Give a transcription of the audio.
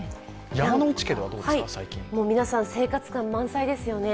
皆さん、生活感満載ですよね。